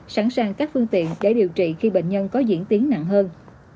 sẵn sàng các phương tiện để điều trị khi bệnh nhân có diễn tiến nặng hơn